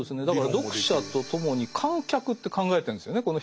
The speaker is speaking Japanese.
だから読者と共に観客って考えてるんですよね。